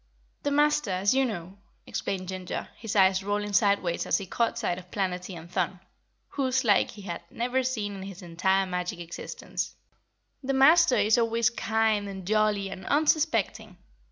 "The Master, as you know," explained Ginger, his eyes rolling sideways as he caught sight of Planetty and Thun, whose like he had never seen in his entire magic existence, "the Master is always kind and jolly and unsuspecting.